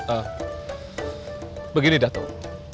ah begini datuk